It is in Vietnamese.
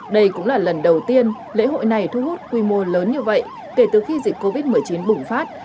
đây cũng là lần đầu tiên lễ hội này thu hút quy mô lớn như vậy kể từ khi dịch covid một mươi chín bùng phát